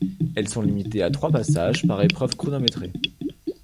Elles sont limités à trois passages par épreuves chronométrées.